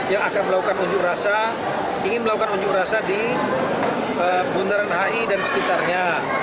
yang akan melakukan unjuk rasa ingin melakukan unjuk rasa di bundaran hi dan sekitarnya